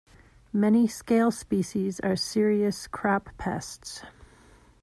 Many scale species are serious crop pests.